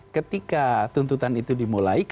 ketika tuntutan itu dimulai